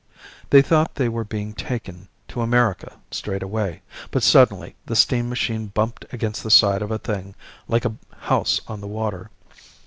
"They thought they were being taken to America straight away, but suddenly the steam machine bumped against the side of a thing like a house on the water.